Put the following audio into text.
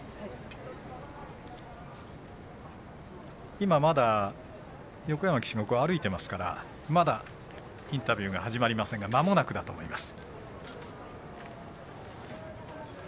今まだ、横山騎手が歩いていますからまだインタビューが始まりませんがまもなくだと思います。